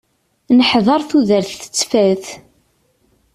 Neḥder tudert tettfat.